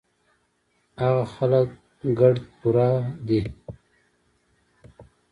هغه خلک ګړد پوره دي